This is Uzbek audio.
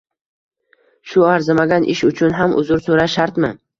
Shu arzimagan ish uchun ham uzr so`rash shartmi